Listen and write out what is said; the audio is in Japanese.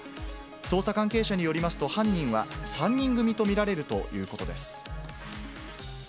捜査関係者によりますと、犯人は３人組と見られるということです。